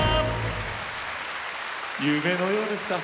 夢のようでした。